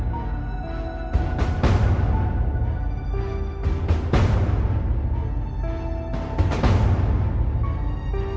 ไม่เอาหน่าที่จะร่วมกัน